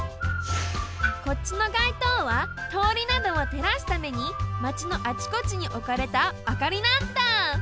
こっちの街灯はとおりなどをてらすためにマチのあちこちにおかれたあかりなんだ。